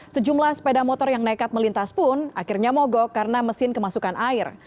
sejumlah sepeda motor yang nekat melintas pun akhirnya mogok karena mesin kemasukan air